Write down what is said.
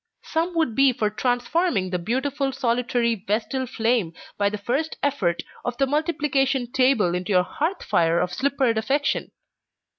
Some would be for transforming the beautiful solitary vestal flame by the first effort of the multiplication table into your hearth fire of slippered affection.